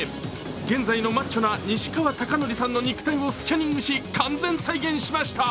現在のマッチョな西川貴教さんの肉体をスキャニングし完全再現しました。